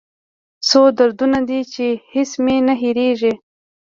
څو دردونه دي چې هېڅ مې نه هېریږي